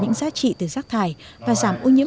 những giá trị từ rác thải và giảm ô nhiễm